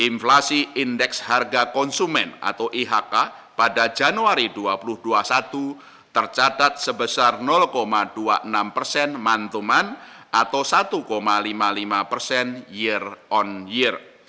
inflasi indeks harga konsumen atau ihk pada januari dua ribu dua puluh satu tercatat sebesar dua puluh enam persen mantuman atau satu lima puluh lima persen year on year